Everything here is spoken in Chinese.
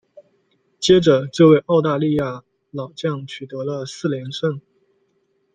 接着这位澳大利亚老将取得了四连胜。